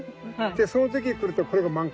その時に来るとこれが満開になる。